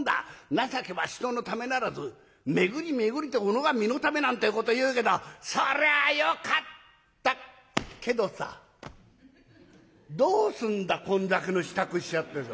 『情けは人のためならず巡り巡りておのが身のため』なんてえこと言うけどそりゃよかったけどさどうすんだこんだけの支度しちゃってさ。